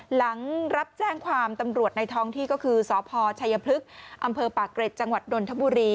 หลังรับแจ้งความตำรวจในท้องที่ก็คือสพชัยพฤกษ์อปเกร็จจนธบุรี